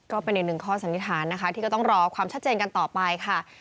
ก็เป็นอีกหนึ่งข้อสันนิษฐานนะคะที่ก็ต้องรอความชัดเจนกันต่อไปค่ะ